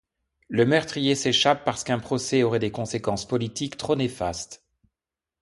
Le meurtrier s'échappe parce qu'un procès aurait des conséquences politiques trop néfastes.